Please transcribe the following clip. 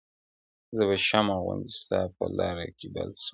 زه به شمع غوندي ستا په لار کي بل سم -